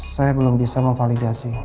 saya belum bisa memvalidasi